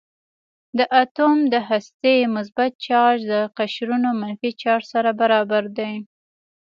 د اتوم د هستې مثبت چارج د قشرونو منفي چارج سره برابر دی.